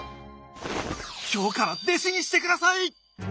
今日から弟子にしてください！